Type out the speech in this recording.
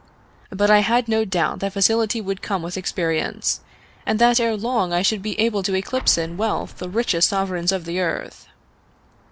But I had no doubt that facility would come with experience, and that ere long I should be able to eclipse in wealth the richest sovereigns of the earth.